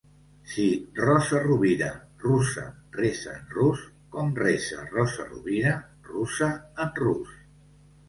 Si Rosa Rovira, russa, resa en rus, com resa Rosa Rovira, russa?, en rus?